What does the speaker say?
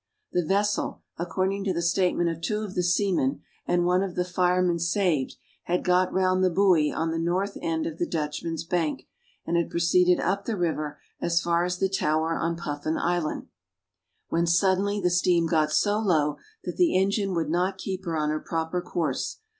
The vessel, according to the statement of two of the seamen and one of the firemen saved, had got round the buoy on the north end of the Dutchman's Bank, and had proceeded up the river as far as the tower on Puffin Island; when suddenly the steam got so low that the engine would not keep her on her proper course.